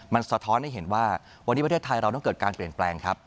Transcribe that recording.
มันสะท้อนให้เห็นว่าวันนี้ประเทศไทยเราต้องเกิดการเปลี่ยนแปลงครับ